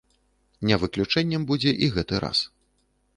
Не выключэннем будзе і гэты раз.